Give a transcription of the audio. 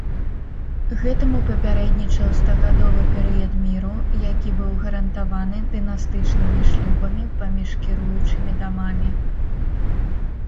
Гэтаму папярэднічаў стагадовы перыяд міру, які быў гарантаваны дынастычнымі шлюбамі паміж кіруючымі дамамі.